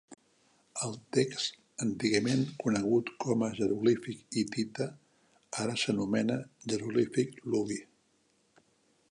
El text, antigament conegut com a "jeroglífic hitita" ara s'anomena "jeroglífic luvi".